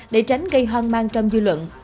để tránh gây hoang mang trong dư luận